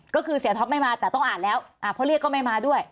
ก็คือเสียท็อปไม่มาแต่ต้องอ่านแล้วเพราะเรียกก็ไม่มาด้วย